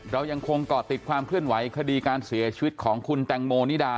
เรายังคงเกาะติดความเคลื่อนไหวคดีการเสียชีวิตของคุณแตงโมนิดา